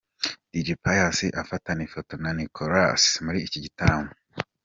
Dj Pius afatana ifoto na Nicolas muri iki gitaramo.